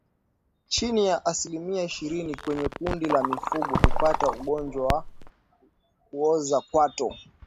Chini ya asilimia ishirini kwenye kundi la mifugo hupata ugonjwa wa kuoza kwato